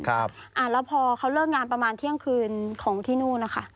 แล้วพอเขาเลิกงานประมาณเที่ยงคืนของที่นู่นนะคะ